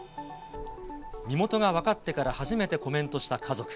身元が分かってから初めてコメントした家族。